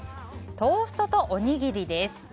トーストとおにぎりです。